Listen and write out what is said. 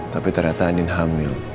tapi ternyata andin hamil